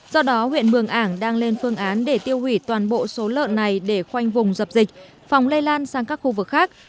do đó huyện mường ảng đang lên phương án để tiêu hủy toàn bộ số lợn này để khoanh vùng dập dịch phòng lây lan sang các khu vực khác